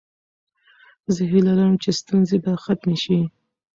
زه هیله لرم چې ستونزې به ختمې شي.